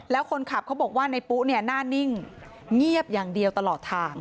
แล้วคนขับเขาบอกว่าในปุ๊หน้านิ่งเงียบอย่างเดียวตลอดทาง